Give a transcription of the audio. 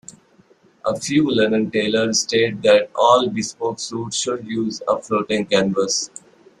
A few London tailors state that all bespoke suits should use a floating canvas.